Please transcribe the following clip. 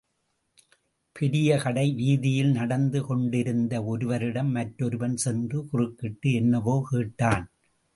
பெரிய கடைவீதியில் நடந்து போய்க்கொண்டிருந்த ஒருவரிடம் மற்றொருவன் சென்று குறுக்கிட்டு, என்னவோ கேட்டான்.